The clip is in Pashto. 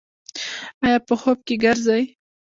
ایا په خوب کې ګرځئ؟